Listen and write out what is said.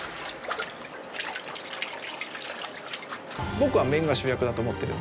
僕は麺が主役だと思ってるんです。